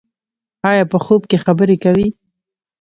ایا په خوب کې خبرې کوئ؟